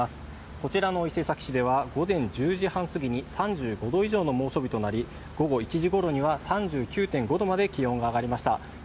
こちらの伊勢崎市では午前１０時半すぎに３５度以上の猛暑日となり午後１時ごろには３９．５度まで気温が上がりました。